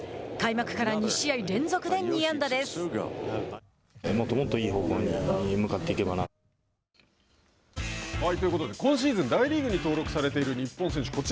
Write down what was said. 開幕から２試合連続で２安打です。ということで今シーズン大リーグに登録されている日本選手